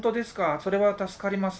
それは助かります。